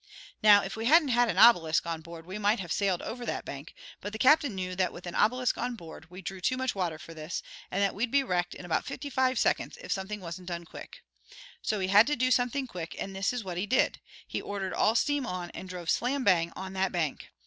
Now if we hadn't had an obelisk on board we might have sailed over that bank, but the captain knew that with an obelisk on board we drew too much water for this, and that we'd be wrecked in about fifty five seconds if something wasn't done quick. So he had to do something quick, and this is what he did: He ordered all steam on, and drove slam bang on that bank.